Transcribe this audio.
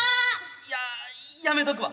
いややめとくわ。